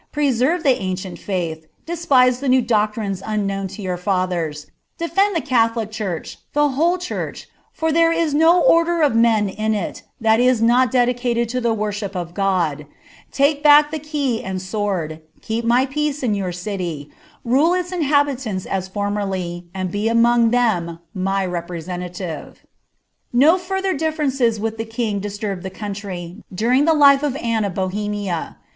Preserve the ancient faith; despise the new doctrincH unknown to your fathers ; defend the catholic church, the whole church, for there is no order of men in it, that is not dedicated to the worship uf God. Take back the key and a^ o^c^^ V««^ I I mv peace in ^our my, rule tl« iahabiuuits u (oaaerly^aai be >wm| them my repreBeniaiive." ' No further dillereaces with llie king diiituibed the couoiry, donof At life of Anne of Bohemia.